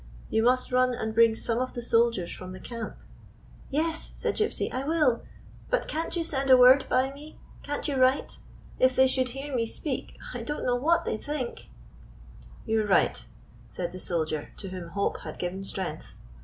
You must run and bring some of the soldiers from the camp." " Yes," said Gypsy, " I will. But can't you send a word by me ? Can't you write ? If they should hear me speak, I don't know what they 'd think." 166 WHAT GYPSY FOUND "You're right," said the soldier, to whom hope had given strength.